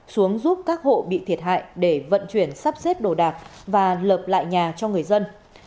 xuống giúp các hộ bị thiệt hại để vận chuyển sắp xếp đồ đạc và lợp lại nhà cho người dân